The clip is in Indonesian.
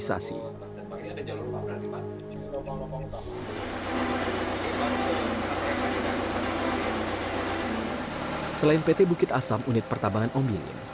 selain pt bukit asam unit pertambangan ombilin